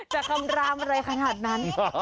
คำรามอะไรขนาดนั้น